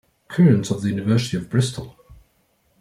Kearns of the University of Bristol.